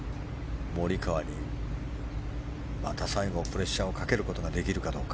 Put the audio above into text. モリカワにまた最後プレッシャーをかけることができるかどうか。